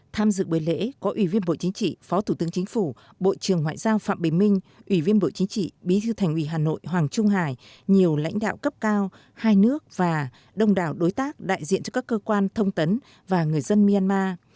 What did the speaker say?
tham dự buổi lễ có ủy viên bộ chính trị phó thủ tướng chính phủ bộ trưởng ngoại giao phạm bình minh ủy viên bộ chính trị bí thư thành ủy hà nội hoàng trung hải nhiều lãnh đạo cấp cao hai nước và đông đảo đối tác đại diện cho các cơ quan thông tấn và người dân myanmar